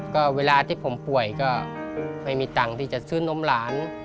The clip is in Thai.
ก็เวลาที่ผมป่วยก็ไม่มีตังค์ที่จะซื้อนมหลาน